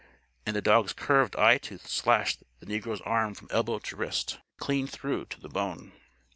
And the dog's curved eye tooth slashed the negro's arm from elbow to wrist, clean through to the bone.